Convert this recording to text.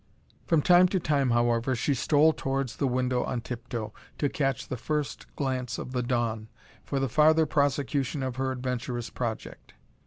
From time to time, however, she stole towards the window on tiptoe, to catch the first glance of the dawn, for the farther prosecution of her adventurous project.